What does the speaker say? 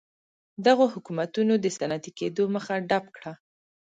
دغو حکومتونو د صنعتي کېدو مخه ډپ کړه.